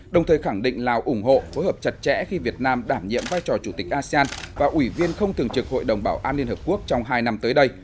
đồng thời khẳng định lào ủng hộ phối hợp chặt chẽ khi việt nam đảm nhiệm vai trò chủ tịch asean và ủy viên không thường trực hội đồng bảo an liên hợp quốc trong hai năm tới đây